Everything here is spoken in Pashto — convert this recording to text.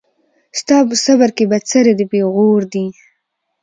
ستا په صبر کي بڅری د پېغور دی